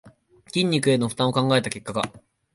筋肉への負担を考えた結果か